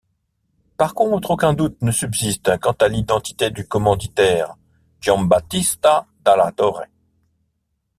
Par contre, aucun doute ne subsiste quant à l'identité du commanditaire, Giambattista Dalla Torre.